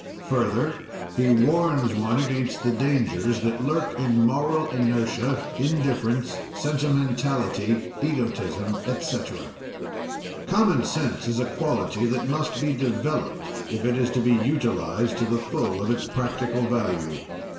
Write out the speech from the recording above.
Further, he warns one against the dangers that lurk in moral inertia, indifference, sentimentality, egotism, etc. Common Sense is a quality that must be developed if it is to be utilized to the full of its practical value.